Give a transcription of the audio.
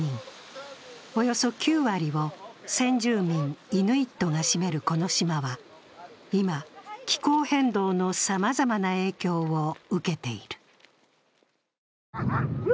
およそ９割を先住民イヌイットが占めるこの島は今、気候変動のさまざまな影響を受けている。